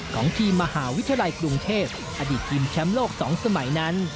ของทีมมหาวิทยาลัยกรุงเทพอดีตทีมแชมป์โลก๒สมัยนั้น